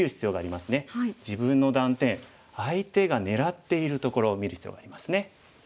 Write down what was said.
自分の断点相手が狙っているところを見る必要がありますね。